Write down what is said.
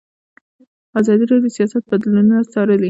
ازادي راډیو د سیاست بدلونونه څارلي.